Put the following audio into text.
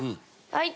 はい。